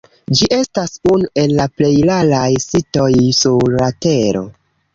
Ĝi estas unu el la plej raraj sitoj sur la tero.